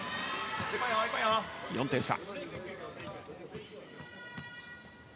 ４点差。